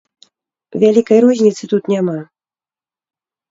Вялікай розніцы тут няма.